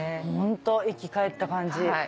ホント生き返った感じ。